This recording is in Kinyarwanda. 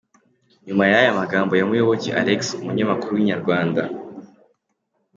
Nyuma y’aya magambo ya Muyoboke Alex umunyamakuru wa Inyarwanda.